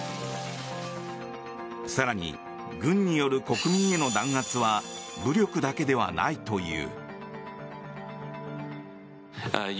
更に、軍による国民への弾圧は武力だけではないという。